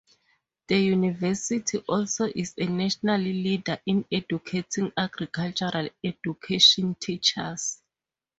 The university also is a national leader in educating agricultural education teachers.